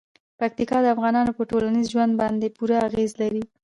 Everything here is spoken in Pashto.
پکتیکا د افغانانو په ټولنیز ژوند باندې پوره اغېز لري.